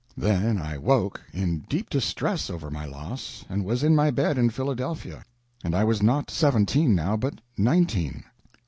Then I woke, in deep distress over my loss, and was in my bed in Philadelphia. And I was not seventeen, now, but nineteen.